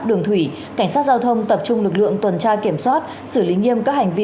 đường thủy cảnh sát giao thông tập trung lực lượng tuần tra kiểm soát xử lý nghiêm các hành vi